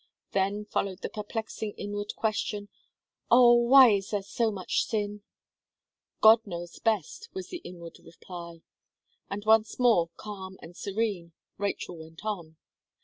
Then followed the perplexing inward question: "Oh! why is there so much sin?" "God knows best," was the inward reply, and once more calm and serene, Rachel went on.